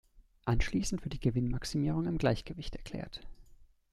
Anschließend wird die Gewinnmaximierung im Gleichgewicht erklärt.